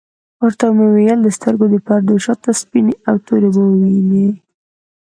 ورته ومي ویل د سترګو د پردو شاته سپیني او توری اوبه وینې ؟